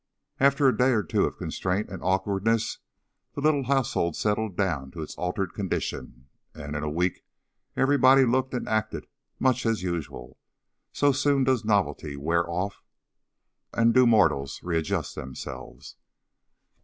After a day or two of constraint and awkwardness, the little household settled down to its altered conditions; and in a week everybody looked and acted much as usual, so soon does novelty wear off and do mortals readjust themselves.